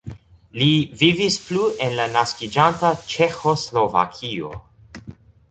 Li vivis plu en la naskiĝanta Ĉeĥoslovakio.